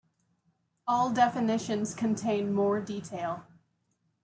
All definitions contain more detail.